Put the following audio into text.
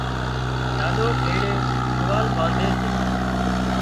لاڏو ڪيڙئي ٽووال ٻانڌي سي